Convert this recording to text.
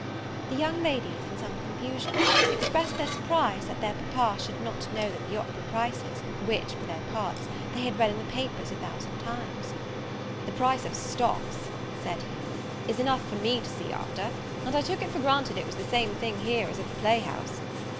The young ladies, in some confusion, expressed their surprise that their papa should not know the opera prices, which, for their parts, they had read in the papers a thousand times. "The price of stocks," said he, "is enough for me to see after; and I took it for granted it was the same thing here as at the playhouse."